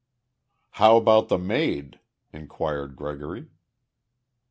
"How about the maid?" inquired Gregory.